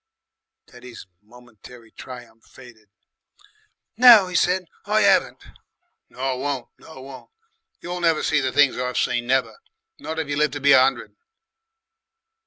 Teddy's momentary triumph faded. "No," he said, "I 'aven't." "Nor won't. Nor won't. You'll never see the things I've seen, never. Not if you live to be a 'undred...